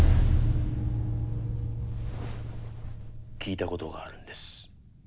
聞いたことがあるんです。